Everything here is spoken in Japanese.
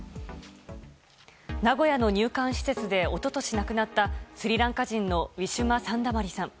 名古屋の入管施設で一昨年亡くなったスリランカ人のウィシュマ・サンダマリさん。